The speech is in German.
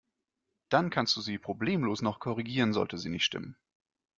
Dann kannst du sie problemlos noch korrigieren, sollte sie nicht stimmen.